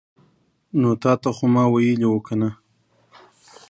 نو تاته خو ما ویلې وو کنه